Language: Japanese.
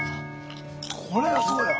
これがすごいわ。